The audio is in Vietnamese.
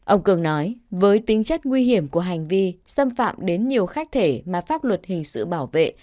ông cường nói với tính chất nguy hiểm của hành vi xâm phạm đến nhiều khách thể mà pháp luật hình sự bảo vệ